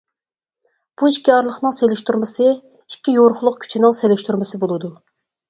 بۇ ئىككى ئارىلىقنىڭ سېلىشتۇرمىسى ئىككى يورۇقلۇق كۈچىنىڭ سېلىشتۇرمىسى بولىدۇ.